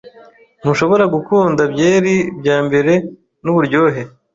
Ntushobora gukunda byeri byambere. Nuburyohe.